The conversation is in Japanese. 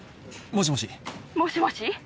もしもし？